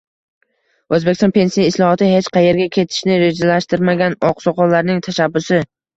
O'zbekiston pensiya islohoti hech qaerga ketishni rejalashtirmagan oqsoqollarning tashabbusi?